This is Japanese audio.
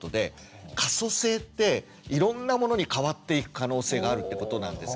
可塑性っていろんなものに変わっていく可能性があるってことなんですけど。